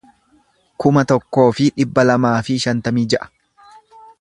kuma tokkoo fi dhibba lamaa fi shantamii ja'a